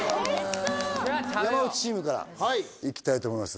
山内チームからいきたいと思います